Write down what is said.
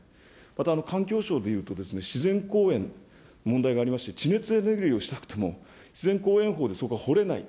また環境省でいうと、自然公園の問題がありまして、地熱エネルギーをしたくても、自然公園法でそこは掘れない。